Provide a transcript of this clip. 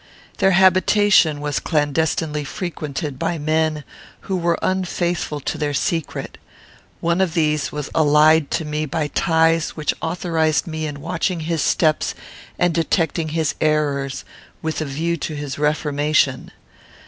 Their habitation was clandestinely frequented by men who were unfaithful to their secret; one of these was allied to me by ties which authorized me in watching his steps and detecting his errors, with a view to his reformation.